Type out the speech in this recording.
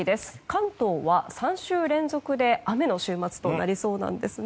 関東は３週連続で雨の週末となりそうです。